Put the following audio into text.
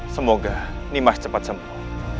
semoga nimas cepat sembuh